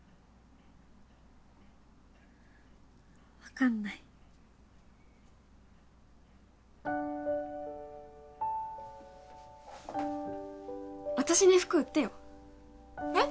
分かんない私に服売ってよえっ